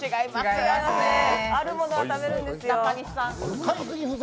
あるものは食べるんですよ。